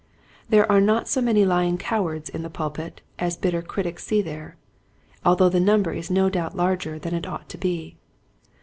There are not so many lying cowards in the pulpit as bitter critics see there, although the number is no doubt larger than it ought to be.